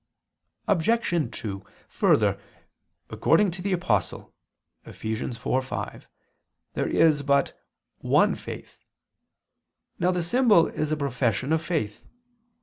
Obj. 2: Further, according to the Apostle (Eph. 4:5) there is but "one faith." Now the symbol is a profession of faith.